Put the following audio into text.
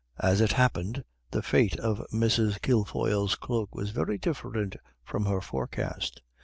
As it happened, the fate of Mrs. Kilfoyle's cloak was very different from her forecast.